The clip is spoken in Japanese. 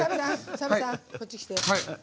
澤部さん、こっち来て。